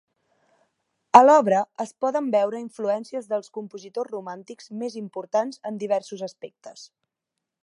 A l'obra es poden veure influències dels compositors romàntics més importants en diversos aspectes.